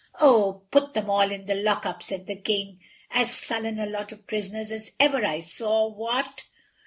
"Oh, put them all in the lockup," said the King, "as sullen a lot of prisoners as ever I saw—what?"